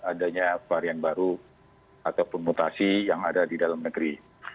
adanya varian baru ataupun mutasi yang ada di dalam negeri